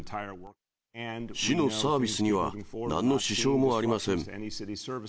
市のサービスにはなんの支障もありません。